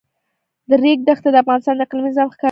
د ریګ دښتې د افغانستان د اقلیمي نظام ښکارندوی ده.